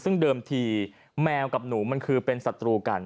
ซึ่งเดิมทีแมวกับหนูมันคือเป็นศัตรูกัน